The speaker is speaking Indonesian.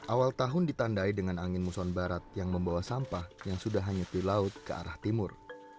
awal tahun ditandai dengan angin muson barat yang membawa sampah yang sudah hanyut di laut ke arah timur